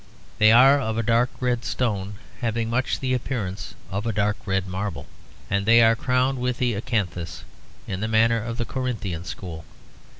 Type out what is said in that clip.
They are of a dark red stone having much of the appearance of a dark red marble; and they are crowned with the acanthus in the manner of the Corinthian school.